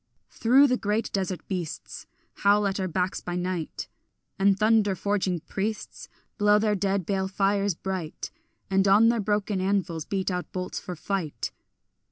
Through the great desert beasts Howl at our backs by night, And thunder forging priests Blow their dead bale fires bright, And on their broken anvils beat out bolts for fight.